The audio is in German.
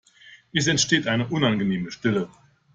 Es entsteht eine unangenehme Stille.